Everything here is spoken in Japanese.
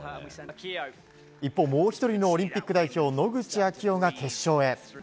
一方、もう１人のオリンピック代表野口啓代が決勝へ。